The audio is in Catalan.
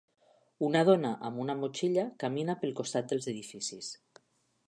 Una dona amb una motxilla camina pel costat dels edificis.